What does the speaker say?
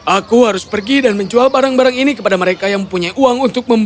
aku harus pergi dan menjual barang barang ini kepada mereka yang punya uang untuk membeli